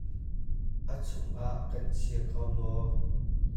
Achung ah kan chia kho maw.